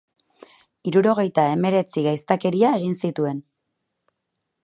Hirurogeita hemeretzi gaiztakeria egin zituen.